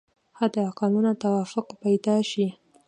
حد اقلونو توافق پیدا شي.